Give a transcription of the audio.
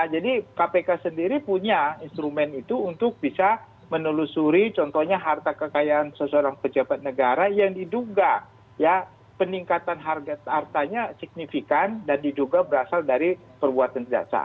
jadi kpk sendiri punya instrumen itu untuk bisa menelusuri contohnya harta kekayaan seseorang pejabat negara yang diduga ya peningkatan hartanya signifikan dan diduga berasal dari perbuatan jasa